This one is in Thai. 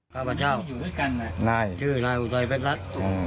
พระพระเจ้าชื่อนายอุทัยพัดลัด